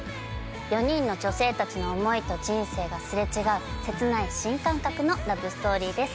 ４人の女性達の思いと人生がすれ違う切ない新感覚のラブストーリーです